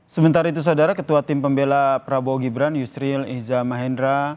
sementara itu saudara ketua tim pembela prabowo gibran yusril iza mahendra